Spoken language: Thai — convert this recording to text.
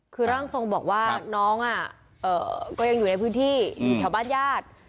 คือร่างทรงบอกว่าน้องก็ยังอยู่ในพื้นที่อยู่แถวบ้านญาติ